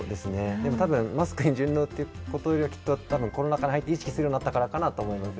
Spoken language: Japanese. マスクに順応よりは、コロナ禍に入って意識するようになったからかなと思いました。